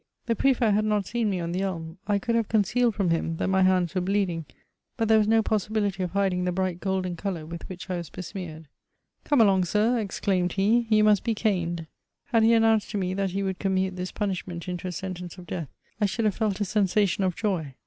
The Prefect had not seen me on the ebn .; I could have concealed from him that my hands were bleeding, bat there was no possibility of hiding the bright golden colour inth whidh I was besmeared. *i Come along, Sir/' exclaimed he, you must be caned." Had he announced to me, that he would commute this punishment into a sentence of death, I should have felt a sensation of joy.